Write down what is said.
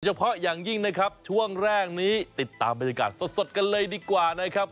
เฉพาะอย่างยิ่งนะครับช่วงแรกนี้ติดตามบรรยากาศสดกันเลยดีกว่านะครับ